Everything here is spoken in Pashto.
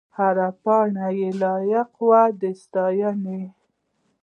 هره پاڼه یې لایق وه د ستاینې.